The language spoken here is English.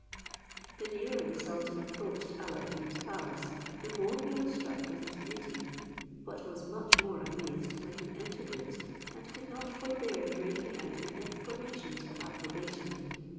The nearer the sultan approached Alla ad Deen's palace, the more he was struck with its beauty, but was much more amazed when he entered it; and could not forbear breaking out into exclamations of approbation.